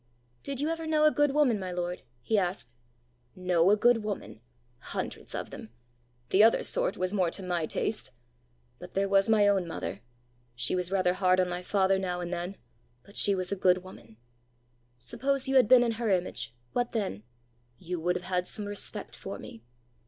"Did you ever know a good woman, my lord?" he asked. "Know a good woman? Hundreds of them! The other sort was more to my taste! but there was my own mother! She was rather hard on my father now and then, but she was a good woman." "Suppose you had been in her image, what then?" "You would have had some respect for me!"